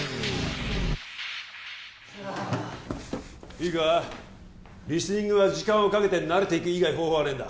いいかリスニングは時間をかけて慣れていく以外方法はねえんだ